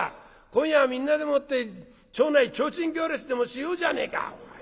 今夜はみんなでもって町内提灯行列でもしようじゃねえか」。